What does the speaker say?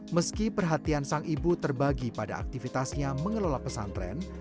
meski perhatian sang ibu terbagi pada aktivitasnya mengelola pesantren